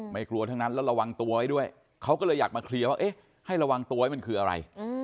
กลัวทั้งนั้นแล้วระวังตัวไว้ด้วยเขาก็เลยอยากมาเคลียร์ว่าเอ๊ะให้ระวังตัวให้มันคืออะไร